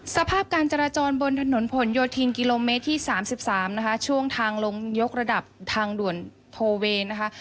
สภาพการจราจรบนถนนผลโยธินกิโลเมตรที่๓๓นะคะช่วงทางลงยกระดับทางด่วนโทเวนะคะ